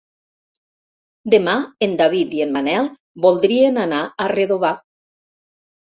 Demà en David i en Manel voldrien anar a Redovà.